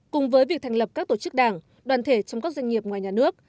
cùng với việc thành lập các tổ chức đảng đoàn thể trong các doanh nghiệp ngoài nhà nước